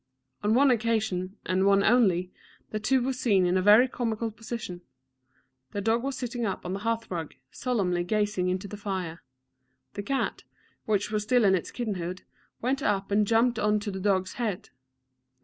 On one occasion, and one only, the two were seen in a very comical position. The dog was sitting up on the hearth rug, solemnly gazing into the fire. The cat, which was still in its kittenhood, went up and jumped on to the dog's head.